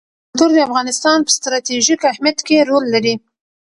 کلتور د افغانستان په ستراتیژیک اهمیت کې رول لري.